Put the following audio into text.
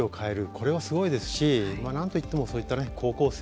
これはすごいですし何といってもそういった高校生。